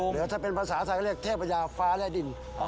หรือถ้าเป็นภาษาใส่ก็เรียกเทพยาฟ้าและดิน